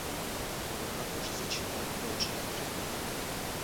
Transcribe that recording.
Я продолжу зачитывать тот же отрывок.